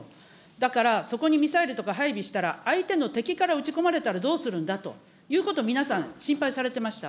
だから、そこにミサイルとか配備したら、相手の敵から撃ち込まれたらどうするんだということを、皆さん、心配されてました。